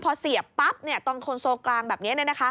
พอเสียบปั๊บตรงคนโซกลางแบบนี้